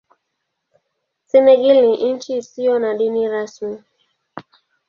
Senegal ni nchi isiyo na dini rasmi.